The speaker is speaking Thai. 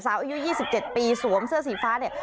อายุ๒๗ปีสวมเสื้อสีฟ้าเนี่ย